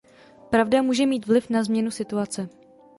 Pravda může mít vliv na změnu situace.